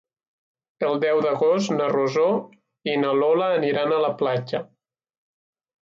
El deu d'agost na Rosó i na Lola aniran a la platja.